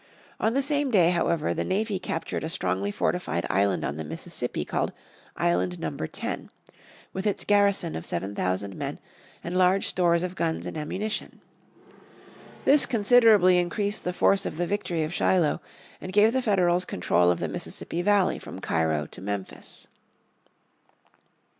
On the same day, however, the navy captured a strongly fortified island on the Mississippi called Island Number Ten, with its garrison of seven thousand men and large stores of guns and ammunition. This considerably increased the force of the victory of Shiloh, and gave the Federals control of the Mississippi Valley from Cairo to Memphis.